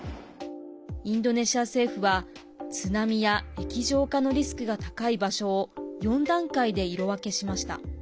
インドネシア政府は津波や液状化のリスクが高い場所を４段階で色分けしました。